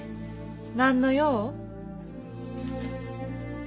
何の用？